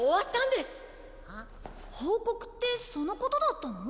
報告ってそのことだったの？